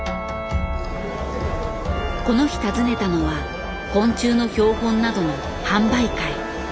この日訪ねたのは昆虫の標本などの販売会。